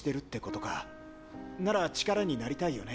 なら力になりたいよね。